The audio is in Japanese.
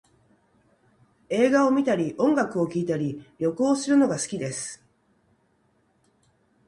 映画を観たり音楽を聴いたり、旅行をするのが好きです